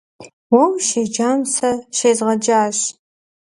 Уэ ущеджам сэ щезгъэджащ.